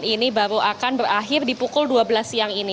ini baru akan berakhir di pukul dua belas siang ini